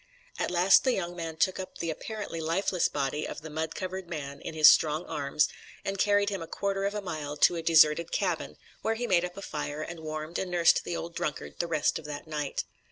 At last the young man took up the apparently lifeless body of the mud covered man in his strong arms, and carried him a quarter of a mile to a deserted cabin, where he made up a fire and warmed and nursed the old drunkard the rest of that night.